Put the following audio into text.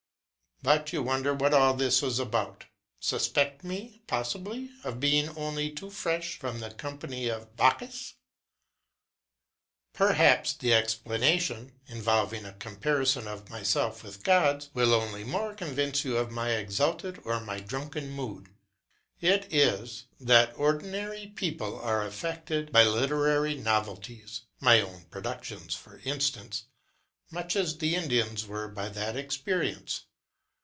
But you wonder what all this is about suspect me, possibly5, of being only too fresh from the company of Bacchus. Perhaps the explanation, involving a comparison of myself with Gods, will only more convince you of my exalted or my drunken mood; it is, that ordinary people are affected by literary novelties (my own productions, for instance) much as the Indians were by that experience.